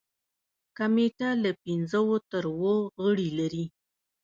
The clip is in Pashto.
کمیټه له پنځو تر اوو غړي لري.